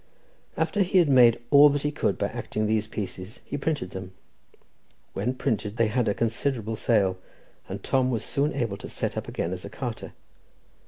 After he had made all that he could by acting these pieces, he printed them. When printed, they had a considerable sale, and Tom was soon able to set up again as a carter.